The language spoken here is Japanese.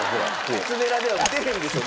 靴ベラでは打てへんでしょ